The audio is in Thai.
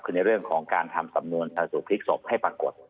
คือในเรื่องของการทำสำนวนสูตพลิกศพให้ปรากฏ